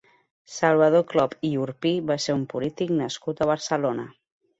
Salvador Clop i Urpí va ser un polític nascut a Barcelona.